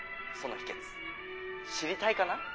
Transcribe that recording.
その秘けつ知りたいかな？」。